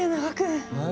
はい？